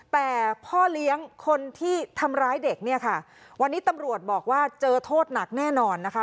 แต่พ่อเลี้ยงคนที่ทำร้ายเด็กเนี่ยค่ะวันนี้ตำรวจบอกว่าเจอโทษหนักแน่นอนนะคะ